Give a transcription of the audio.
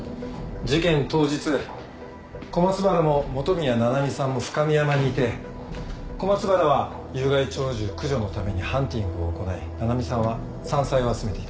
事件当日小松原も元宮七海さんも深美山にいて小松原は有害鳥獣駆除のためにハンティングを行い七海さんは山菜を集めていた。